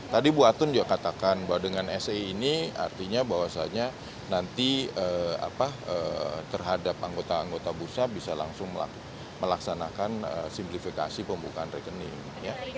tadi bu atun juga katakan bahwa dengan se ini artinya bahwasanya nanti terhadap anggota anggota bursa bisa langsung melaksanakan simplifikasi pembukaan rekening